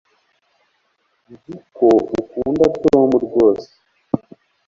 nzi ko ukunda tom rwose